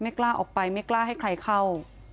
กล้าออกไปไม่กล้าให้ใครเข้า